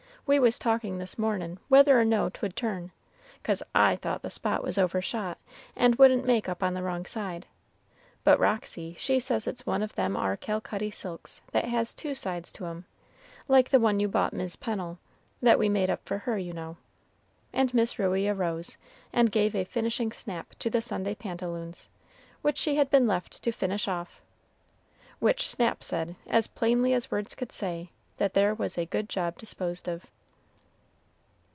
We was talking this mornin' whether 'no 't would turn, 'cause I thought the spot was overshot, and wouldn't make up on the wrong side; but Roxy she says it's one of them ar Calcutty silks that has two sides to 'em, like the one you bought Miss Pennel, that we made up for her, you know;" and Miss Ruey arose and gave a finishing snap to the Sunday pantaloons, which she had been left to "finish off," which snap said, as plainly as words could say that there was a good job disposed of.